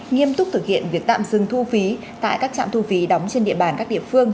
nghiêm túc thực hiện việc tạm dừng thu phí tại các trạm thu phí đóng trên địa bàn các địa phương